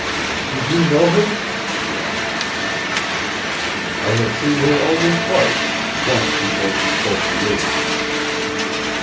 "Did you know her?" she asked. "I have seen her only twice once before she spoke to you."